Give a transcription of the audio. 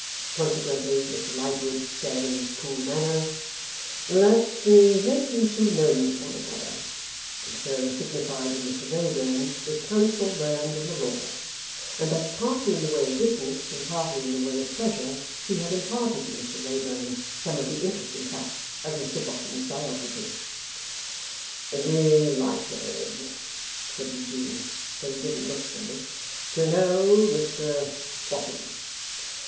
Consequently Mr Lightwood said, in his cool manner, 'Let me make you two known to one another,' and further signified that Mr Wrayburn was counsel learned in the law, and that, partly in the way of business and partly in the way of pleasure, he had imparted to Mr Wrayburn some of the interesting facts of Mr Boffin's biography. 'Delighted,' said Eugene though he didn't look so 'to know Mr Boffin.